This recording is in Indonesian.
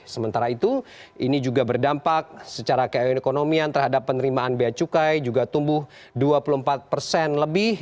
sementara itu ini juga berdampak secara keekonomian terhadap penerimaan bea cukai juga tumbuh dua puluh empat persen lebih